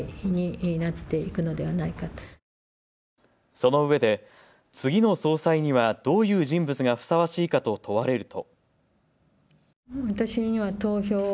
そのうえで次の総裁にはどういう人物がふさわしいかと問われると。